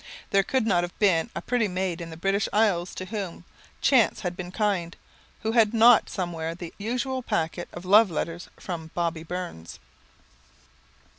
There could not have been a pretty maid in the British Isles, to whom chance had been kind, who had not somewhere the usual packet of love letters from "Bobby" Burns.